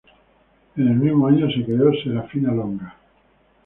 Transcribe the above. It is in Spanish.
En el mismo año se creó 'Serafina Longa'.